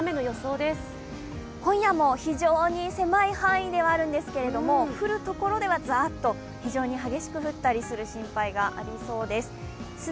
今夜も非常に狭い範囲ではあるんですけれども、降るところではザーッと非常に激しく降ったりする心配がありそうです。